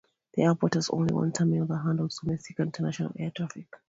The airport has only one terminal that handles domestic and international air traffic.